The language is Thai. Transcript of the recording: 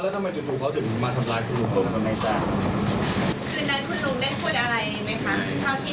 แค่ก็ได้ยินกับชาวบ้านไม่ได้